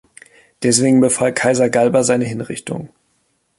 Deswegen befahl Kaiser Galba seine Hinrichtung.